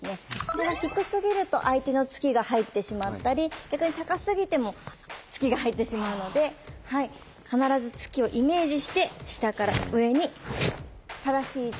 これが低すぎると相手の突きが入ってしまったり逆に高すぎても突きが入ってしまうので必ず突きをイメージして下から上に正しい位置で受けていって下さい。